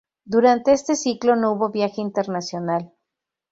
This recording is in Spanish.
Durante este ciclo no hubo viaje internacional.